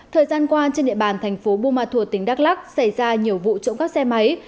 thời gian qua trên địa bàn thành phố bumathua tỉnh đắk lắc xảy ra nhiều vụ trộm cắp xe máy